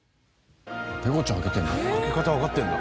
ぺこちゃん開けてるの？